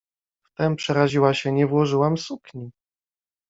Wtem przeraziła się: „Nie włożyłam sukni.